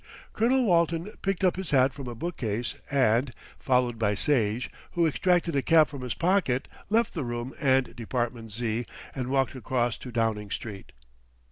Colonel Walton picked up his hat from a bookcase and, followed by Sage, who extracted a cap from his pocket, left the room and Department Z. and walked across to Downing Street.